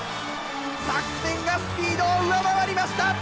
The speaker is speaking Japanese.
作戦がスピードを上回りました！